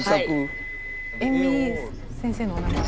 遠見先生のお名前が。